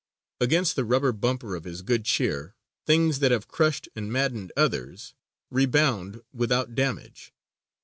Against the rubber bumper of his good cheer things that have crushed and maddened others rebound without damage.